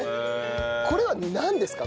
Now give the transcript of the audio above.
これはなんですか？